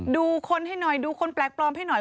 ดูคนให้หน่อยดูคนแปลกปลอมให้หน่อย